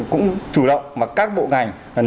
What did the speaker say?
cũng chủ động mà các bộ ngành